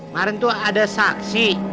maren tuh ada saksi